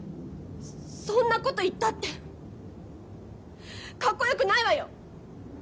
そんなこと言ったってかっこよくないわよ。